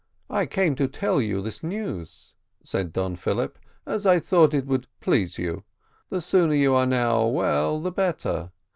"I came to tell you this news," said Don Philip, "as I thought it would please you; the sooner you are now well, the better.